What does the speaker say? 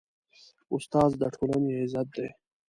استاد د ټولنې عزت دی.